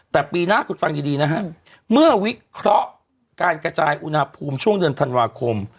แต่ปีหน้าคุณฟังดีนะฮะเมื่อวิเคราะห์การกระจายอุณหภูมิช่วงเดือนธันวาคม